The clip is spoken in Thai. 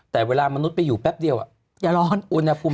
แต่เวลามนุษย์ไปอยู่แป๊บเดียวอย่าร้อนอุณหภูมิ